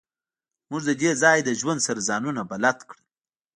موږ د دې ځای له ژوند سره ځانونه بلد کړل